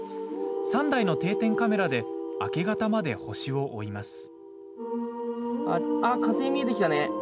３台の定点カメラで明け方まで星を追います。